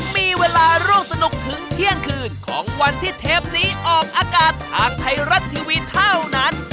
มีเวลาร่วมสนุกถึงเที่ยงคืนของวันที่เทปนี้ออกอากาศทางไทยรัฐทีวีเท่านั้น